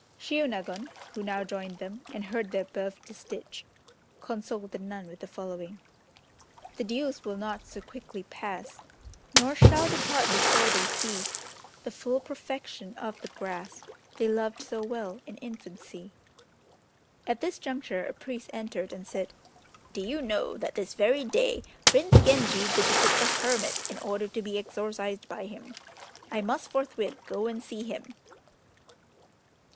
Shiônagon, who now joined them, and heard the above distich, consoled the nun with the following: "The dews will not so quickly pass, Nor shall depart before they see The full perfection of the grass, They loved so well in infancy." At this juncture a priest entered and said, "Do you know that this very day Prince Genji visited the hermit in order to be exorcised by him. I must forthwith go and see him."